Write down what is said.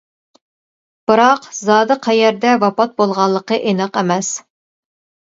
بىراق زادى قەيەردە ۋاپات بولغانلىقى ئېنىق ئەمەس.